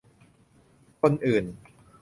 คนอื่น